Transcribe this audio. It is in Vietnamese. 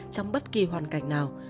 trong bất kỳ hoàn cảnh nào